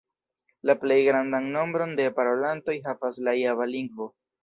La plej grandan nombron de parolantoj havas la java lingvo.